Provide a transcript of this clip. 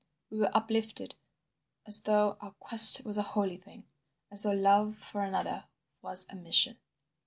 We were uplifted, as though our quest was a holy thing, as though love for another was a mission